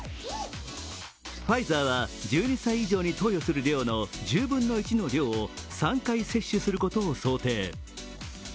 ファイザーは１２歳以上に投与する量の１０分の１の量を３回接種することを想定。